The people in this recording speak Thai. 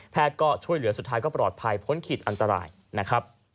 ก็ช่วยเหลือสุดท้ายก็ปลอดภัยพ้นขีดอันตรายนะครับ